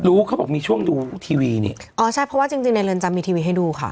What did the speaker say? เขาบอกมีช่วงดูทีวีนี่อ๋อใช่เพราะว่าจริงจริงในเรือนจำมีทีวีให้ดูค่ะ